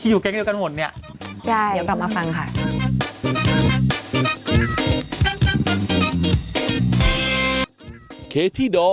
อุ๊ยอยู่แก๊งกันเดียวกันหมดเนี่ย